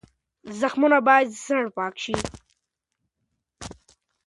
زخمونه باید زر پاک شي.